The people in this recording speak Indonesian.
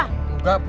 enggak bu enggak